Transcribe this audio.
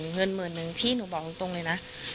เงินหมื่นนึงพี่หนูบอกตรงเลยนะ